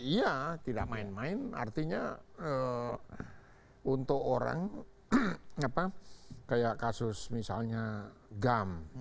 iya tidak main main artinya untuk orang kayak kasus misalnya gam